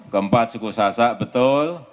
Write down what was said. keempat suku sasat betul